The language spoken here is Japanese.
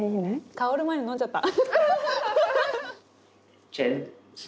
香る前に飲んじゃった。